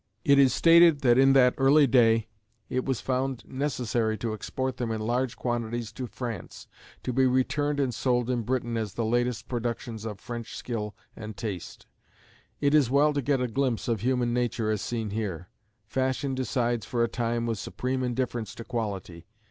It is stated that in that early day it was found necessary to export them in large quantities to France to be returned and sold in Britain as the latest productions of French skill and taste. It is well to get a glimpse of human nature as seen here. Fashion decides for a time with supreme indifference to quality.